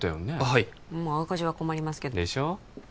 はいまあ赤字は困りますけどでしょう？